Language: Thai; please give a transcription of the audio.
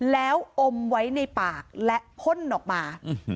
แล้วอมไว้ในปากและพ่นออกมา